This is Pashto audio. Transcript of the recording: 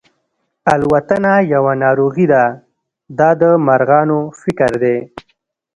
الوتنه یوه ناروغي ده دا د مرغانو فکر دی.